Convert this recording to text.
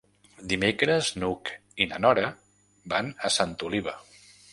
Dimecres n'Hug i na Nora van a Santa Oliva.